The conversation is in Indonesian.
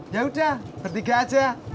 ya udah bertiga aja